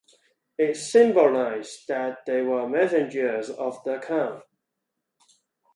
It symbolized that they were messengers of the Khan.